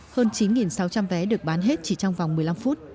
hơn chín sáu trăm linh vé được bán hết chỉ trong vòng một mươi năm phút